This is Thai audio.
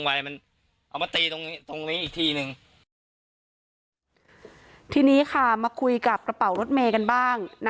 เข้าไปให้บุญไอ้เราไหม